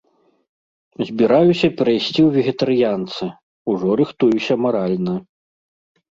Збіраюся перайсці ў вегетарыянцы, ужо рыхтуюся маральна.